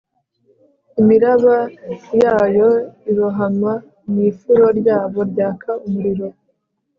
Imiraba yayo irohama mu ifuro ryabo ryaka umuriro